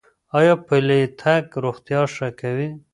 ایا پلی تګ روغتیا ښه کوي؟